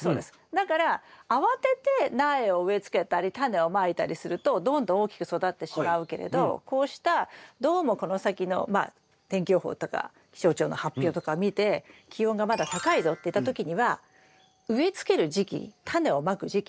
だから慌てて苗を植え付けたりタネをまいたりするとどんどん大きく育ってしまうけれどこうしたどうもこの先のまあ天気予報とか気象庁の発表とかを見て気温がまだ高いぞっていった時には植え付ける時期タネをまく時期を少しずらす。